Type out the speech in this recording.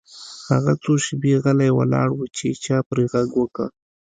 هغه څو شیبې غلی ولاړ و چې چا پرې غږ وکړ